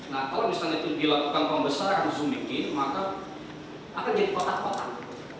nah kalau misalnya itu dilakukan pembesaran ujung dikit maka akan jadi kotak kotak